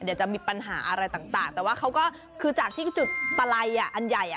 เดี๋ยวจะมีปัญหาอะไรต่างแต่ว่าเขาก็คือจากที่จุดตะไลอันใหญ่อ่ะ